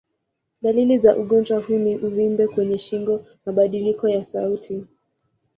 Dalili za ugonjwa huu ni uvimbe kwenye shingo, mabadiliko ya sauti.